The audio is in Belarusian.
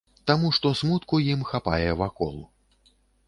Таму што смутку ім хапае вакол.